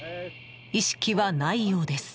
意識はないようです。